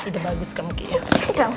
ide bagus kemungkinan